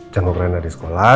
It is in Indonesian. jangkau rena di sekolah